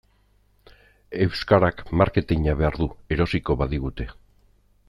Euskarak marketina behar du erosiko badigute.